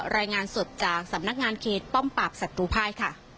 รายงานสดจากสำนักงานเขตป้อมปราบศัตรูภายค่ะ